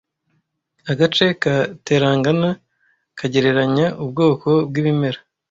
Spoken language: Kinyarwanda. Agace ka Telangana kagereranya ubwoko bwibimera